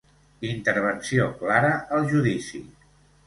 Intervenció Clara al judici.